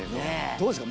どうですか？